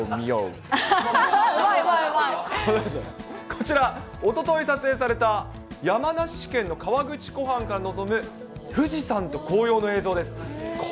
こちら、おととい撮影された山梨県の河口湖畔から望む富士山と紅葉の映像です。